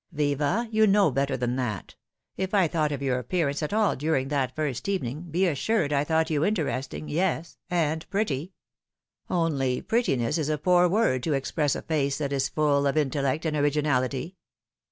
" Viva, you know better than that, If I thought of your appearance at all during that first meeting, be assured I thought you interesting yes, and pretty. Only prettiness is a poor word to express a face that is full of intellect and originality."